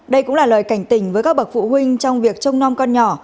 đây cũng là lời cảnh tình với các bậc phụ huynh trong việc trông non con nhỏ